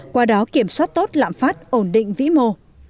qua đó kiểm soát tốt lãm phát ổn định vĩ mô